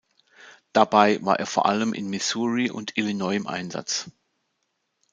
Dabei war er vor allem in Missouri und Illinois im Einsatz.